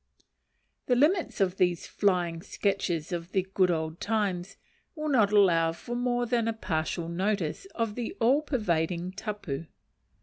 The limits of these flying sketches of the good old times will not allow of more than a partial notice of the all pervading tapu.